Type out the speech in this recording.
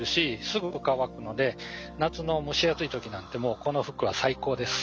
すぐ乾くので夏の蒸し暑い時なんてもうこの服は最高です。